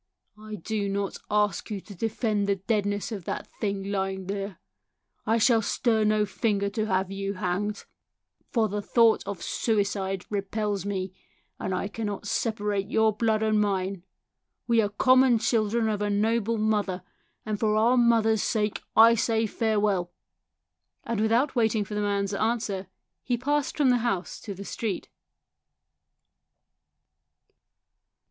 I do not ask you to defend the deadness of that thing lying there. I shall stir no finger to have you hanged, for the thought of suicide repels me, and I cannot separate your blood and mine. We are common children of a noble mother, and for our mother's sake I say farewell." And without waiting for the man's answer he passed from the house to the street.